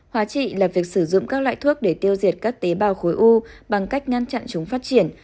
hóa trị là việc sử dụng các loại thuốc để tiêu diệt các tế bào khối u bằng cách ngăn chặn chúng phát triển